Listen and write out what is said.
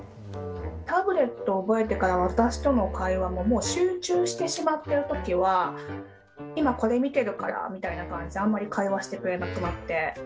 タブレットを覚えてから私との会話ももう集中してしまってる時は今これ見てるからみたいな感じであんまり会話してくれなくなって。